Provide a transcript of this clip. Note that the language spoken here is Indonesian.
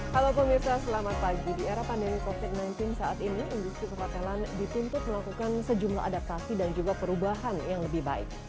halo pemirsa selamat pagi di era pandemi covid sembilan belas saat ini industri perhotelan dituntut melakukan sejumlah adaptasi dan juga perubahan yang lebih baik